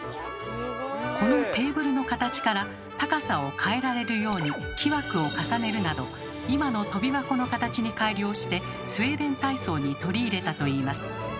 このテーブルの形から高さを変えられるように木枠を重ねるなど今のとび箱の形に改良してスウェーデン体操に取り入れたといいます。